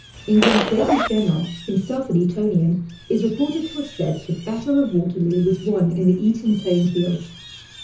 England's greatest general, himself an Etonian, is reported to have said that the battle of Waterloo was won in the Eton playing fields.